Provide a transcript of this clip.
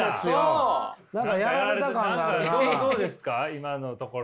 今のところ。